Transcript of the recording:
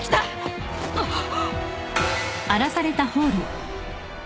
あっ。